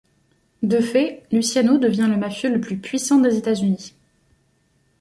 De fait, Luciano devint le mafieux le plus puissant des États-Unis.